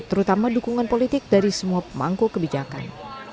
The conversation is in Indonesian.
terutama dukungan politik dari semua pemangku kebijakan